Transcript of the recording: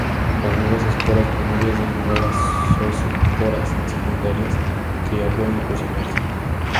Las nuevas esporas primarias dan lugar a zoosporas secundarias que ya pueden fusionarse.